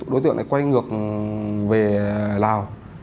đối tượng lại quay ngược về lào